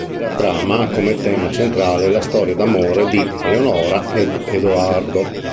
La trama ha come tema centrale la storia d'amore di Eleonora ed Edoardo.